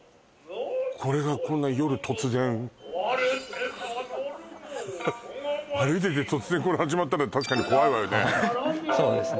これがこんな夜突然歩いてて突然これ始まったら確かに怖いわよね